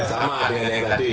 sama dengan yang tadi